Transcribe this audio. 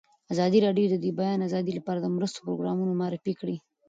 ازادي راډیو د د بیان آزادي لپاره د مرستو پروګرامونه معرفي کړي.